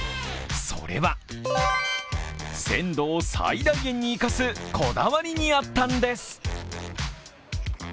それは、鮮度を最大限に生かすこだわりにあったんです。